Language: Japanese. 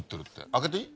開けていい？